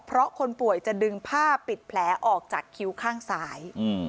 เพราะคนป่วยจะดึงผ้าปิดแผลออกจากคิ้วข้างซ้าย